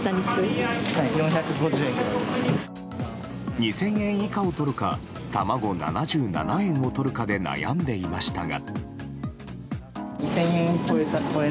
２０００円以下をとるか卵７７円かで悩んでいましたが。